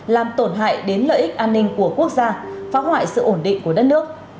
làm tổn hại đến lợi ích an ninh của quốc gia phá hoại sự ổn định của đất nước